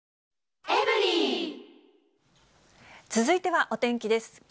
続いてはお天気です。